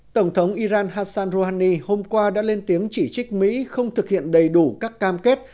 tổng thống iran hassan rouhani hôm qua đã lên tiếng chỉ trích mỹ không thực hiện đầy đủ các cam kết